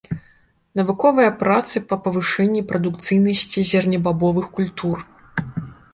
Навуковыя працы па павышэнні прадукцыйнасці зернебабовых культур.